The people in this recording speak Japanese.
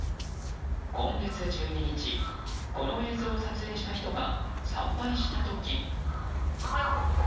今月１２日この映像を撮影した人が参拝した時。